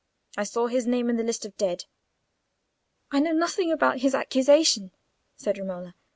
I saw his name in the list of dead." "I know nothing about his accusation," said Romola.